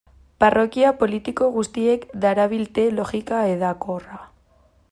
Parrokia politiko guztiek darabilte logika hedakorra.